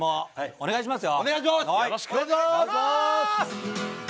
お願いします！